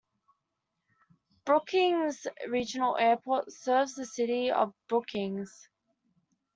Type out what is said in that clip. Brookings Regional Airport serves the City of Brookings.